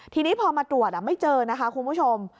ทีนี้พอมาตรวจไม่เจอนะคะคุณผู้ชม